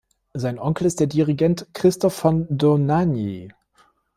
Sein Onkel ist der Dirigent Christoph von Dohnanyi.